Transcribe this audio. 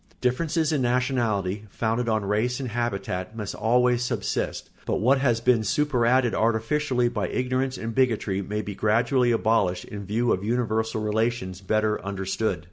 Differences in nationality, founded on race and habitat, must always subsist; but what has been superadded artificially by ignorance and bigotry may be gradually abolished in view of universal relations better understood.